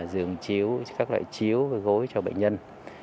dường chiếu các loại chiếu gối cho bệnh nhân